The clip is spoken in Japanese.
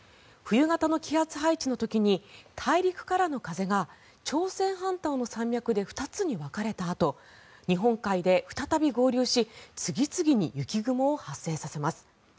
冬型の気圧配置の時に大陸からの風が朝鮮半島の山脈で二手に分かれたあと日本海で再び合流し次々に雪雲を発生させます。